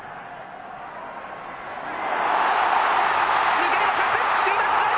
抜ければチャンス。